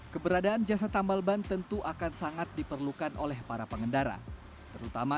keberadaan jasa tambal ban tentu akan sangat diperlukan oleh para pengendara terutama